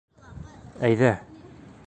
Әйҙә!